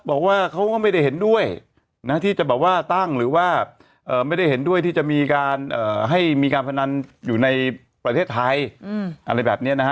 บอกว่าเขาก็ไม่ได้เห็นด้วยนะที่จะแบบว่าตั้งหรือว่าไม่ได้เห็นด้วยที่จะมีการให้มีการพนันอยู่ในประเทศไทยอะไรแบบนี้นะฮะ